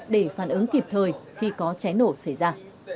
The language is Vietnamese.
để phản ứng kịp thời khi có cháy nổ xảy ra